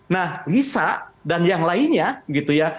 nah lisa dan yang lainnya